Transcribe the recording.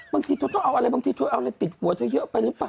บางทีเธอต้องเอาอะไรบางทีเธอเอาอะไรติดหัวเธอเยอะไปหรือเปล่า